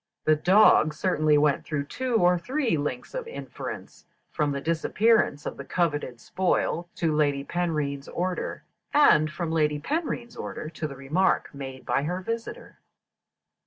The dog certainly went through two or three links of inference, from the disappearance of the coveted spoil to Lady Penrhyn's order, and from Lady Penrhyn's order to the remark made by her visitor.